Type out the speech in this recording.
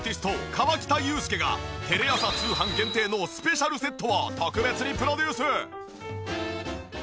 河北裕介がテレ朝通販限定のスペシャルセットを特別にプロデュース！